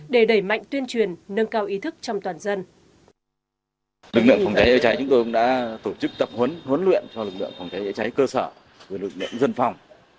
để đẩy mạnh tuyên truyền nâng cao ý thức trong toàn dân